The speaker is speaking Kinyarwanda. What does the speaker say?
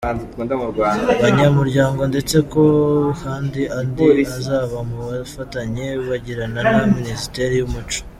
banyamuryango ndetse ko kandi andi azaba mu bufatanye bagirana na Minisiteri y’Umuco